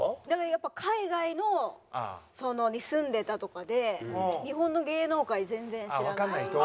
だからやっぱり海外に住んでたとかで日本の芸能界全然知らない。